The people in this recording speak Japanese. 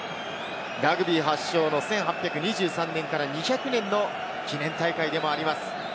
ラグビー発祥の１８２３年から２００年の記念大会でもあります。